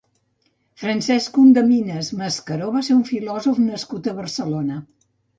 Francesc Condeminas Mascaró va ser un filòsof nascut a Barcelona.